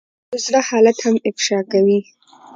غول د زړه حالت هم افشا کوي.